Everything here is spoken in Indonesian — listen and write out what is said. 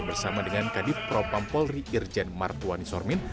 bersama dengan kadif propampolri irjen martwani sormin